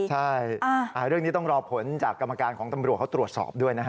ใช่เรื่องนี้ต้องรอผลจากกรรมการของตำรวจเขาตรวจสอบด้วยนะฮะ